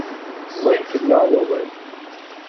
Ẓẓay fell-aɣ wawal.